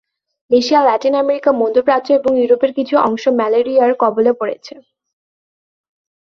Asia, Latin America, মধ্য প্রাচ্য এবং ইউরোপের কিছু অংশ ম্যালেরিয়ার কবলে পড়েছে।